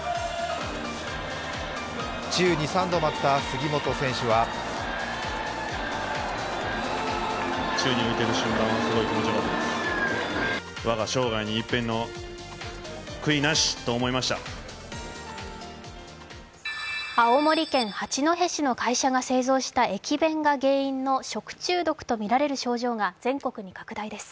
宙に３度舞った杉本選手は青森県八戸市の会社が製造した駅弁が原因の食中毒とみられる症状が全国に拡大です。